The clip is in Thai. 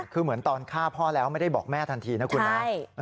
คือเหมือนตอนฆ่าพ่อแล้วไม่ได้บอกแม่ทันทีนะคุณนะ